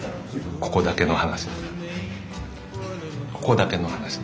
ここだけの話。